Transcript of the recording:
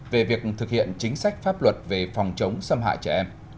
về việc thực hiện chính sách pháp luật về phòng chống xâm hại trẻ em